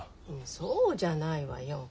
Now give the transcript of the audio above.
そうじゃないわよ。